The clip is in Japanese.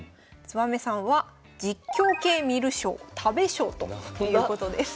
つばめさんは実況系観る将食べ将ということです。